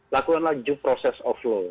lakukanlah due process of law